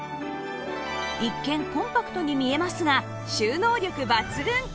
一見コンパクトに見えますが収納力抜群！